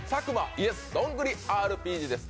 ＹｅｓどんぐりＲＰＧです。